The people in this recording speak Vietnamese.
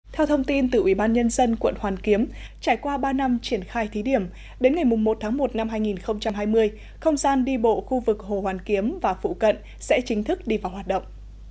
theo thông tin từ ủy ban nhân dân quận hoàn kiếm trải qua ba năm triển khai thí điểm đến ngày một một hai nghìn hai mươi không gian đi bộ khu vực hồ hoàn kiếm và phụ cận sẽ chính thức đi vào hoạt động